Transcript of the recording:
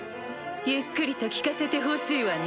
ゆっくりと聞かせてほしいわね。